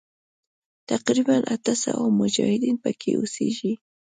تقریباً اته سوه مجاهدین پکې اوسیږي.